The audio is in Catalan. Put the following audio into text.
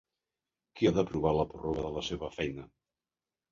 Qui ha d'aprovar la pròrroga de la seva feina?